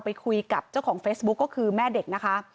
ไปคุยกับเจ้าของเฟซบุ๊คก็คือแม่เด็กนะคะ